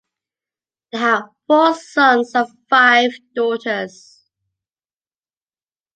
They had four sons and five daughters.